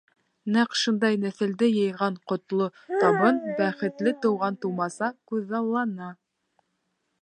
Нәҡ шундай нәҫелде йыйған ҡотло табын, бәхетле туған-тыумаса күҙаллана.